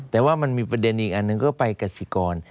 แต่ว่ามันมีประเด็นอีกอันหนึ่งก็ไปกสิกร